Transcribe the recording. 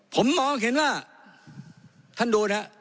ผมมองเห็นว่าท่านดูนะฮะ